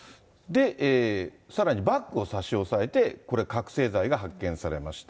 さらにバッグを差し押さえて、これ、覚醒剤が発見されました。